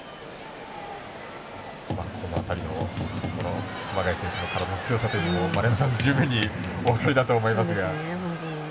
この辺りの熊谷選手の強さというのも丸山さん、十分にお分かりだと思いますが。